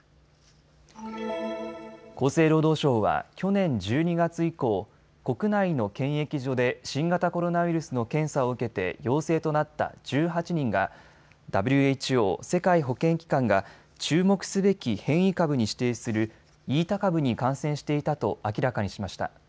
厚生労働省は去年１２月以降、国内の検疫所で新型コロナウイルスの検査を受けて陽性となった１８人がＷＨＯ・世界保健機関が注目すべき変異株に指定するイータ株に感染していたと明らかにしました。